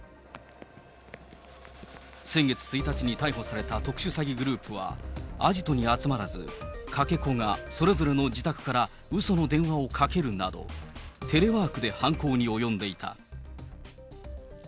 先月１日に逮捕された特殊詐欺グループは、アジトに集まらず、かけ子がそれぞれの自宅からうその電話をかけるなど、テレワークで犯行に及んでいた。